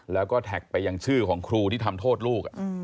แล้วก็แท็กไปยังชื่อของครูที่ทำโทษลูก